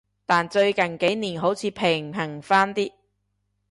但最近幾年好似平衡返啲